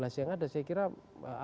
kalau misalnya dari regulasi yang ada